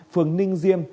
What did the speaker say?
phường ninh diêm